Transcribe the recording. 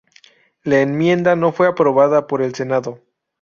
La enmienda no fue aprobada por el Senado.